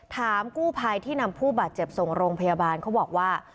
ถามกู้ภัยที่นำผู้บาดเจ็บส่งโรงพยาบาลเขาบอกว่า